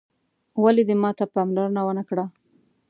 ولي دې ماته پاملرنه وه نه کړل